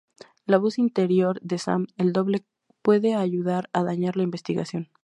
La voz interior de Sam, el Doble, puede ayudar o dañar la investigación.